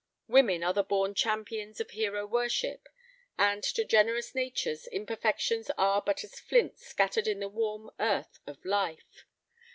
Women are the born champions of hero worship, and to generous natures imperfections are but as flints scattered in the warm earth of life.